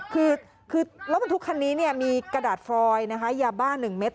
คือรถบรรทุกคันนี้มีกระดาษฟรอยนะคะยาบ้า๑เม็ด